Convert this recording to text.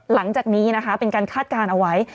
หลังจากนี้นะคะเป็นการคาดการณ์เอาไว้